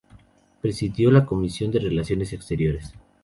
Presidió la comisión de relaciones exteriores.